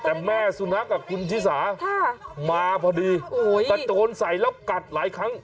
แต่แม่สุนัขคุณชิสามาพอดีกระโจนใส่แล้วกัดหลายครั้ง